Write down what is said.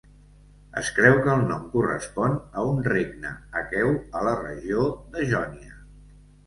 Es creu que el nom correspon a un regne aqueu a la regió de Jònia.